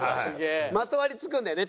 まとわりつくんだよね